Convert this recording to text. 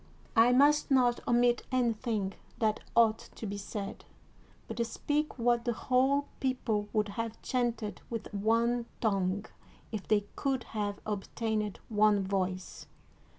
I must not omit any thing tiat ought to be said, but speak what the whole people would have chanted with one tongue if they could have obtained one voice.